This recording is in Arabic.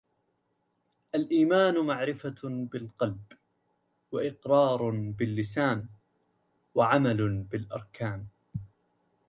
الإيمان معرفة بالقلب، وإقرار باللّسان، وعمل بالأركان.